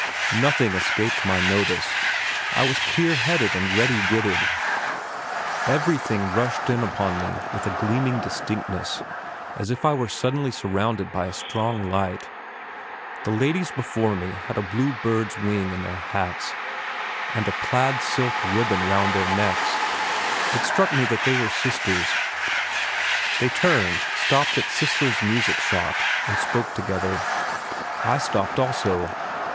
Nothing escaped my notice; I was clear headed and ready witted. Everything rushed in upon me with a gleaming distinctness, as if I were suddenly surrounded by a strong light. The ladies before me had each a blue bird's wing in their hats, and a plaid silk ribbon round their necks. It struck me that they were sisters. They turned, stopped at Cisler's music shop, and spoke together. I stopped also.